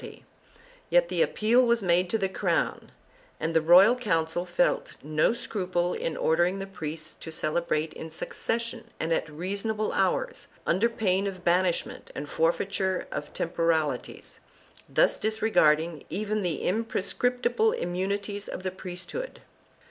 I] ECCLESIASTICAL IMMUNITY 17 yet the appeal was made to the crown, and the Royal Council felt no scruple in ordering the priests to celebrate in succession and at reasonable hours, under pain of banishment .and forfeiture of temporalities, thus disregarding even the imprescriptible immu nities of the priesthood.